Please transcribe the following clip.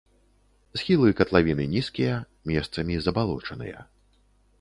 Схілы катлавіны нізкія, месцамі забалочаныя.